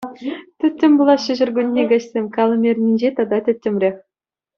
Тӗттӗм пулаҫҫӗ ҫуркуннехи каҫсем, калӑм эрнинче тата тӗттӗмрех.